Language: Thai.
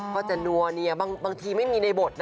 ก็จะนัวบางทีไม่มีในบทนะคะ